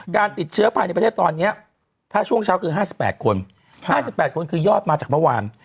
การติดเชื้อภายในประเทศตอนนี้ถ้าช่วงเช้าคือ๕๘คน๕๘คนคือยอดมาจากเมื่อวาน